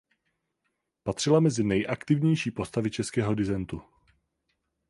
Patřila mezi nejaktivnější postavy českého disentu.